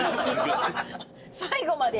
最後まで。